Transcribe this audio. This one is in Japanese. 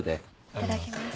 いただきます。